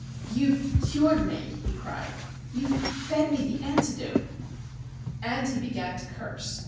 "You've cured me!" he cried. "You've fed me the antidote!" And he began to curse.